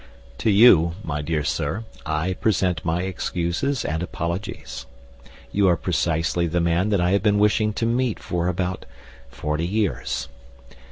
To you, my dear sir, I present my excuses and apologies. You are precisely the man that I have been wishing to meet for about forty years.